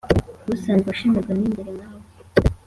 usanzwe ushemerwa n'ingeri nkawe